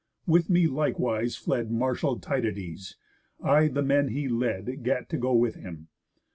With me likewise fled Martial Tydides. I the men he led Gat to go with him.